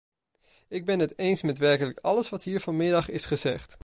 Ik ben het eens met werkelijk alles wat hier vanmiddag is gezegd.